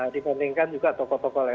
dibandingkan juga tokoh tokoh lain